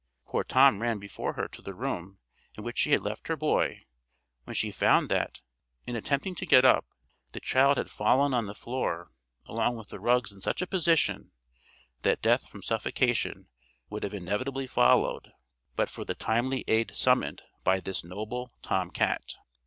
Poor Tom ran before her to the room in which she had left her boy, when she found that, in attempting to get up, the child had fallen on the floor along with the rugs in such a position, that death from suffocation would have inevitably followed, but for the timely aid summoned by this noble tom cat.